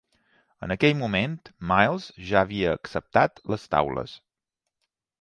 En aquell moment, Miles ja havia acceptat les taules.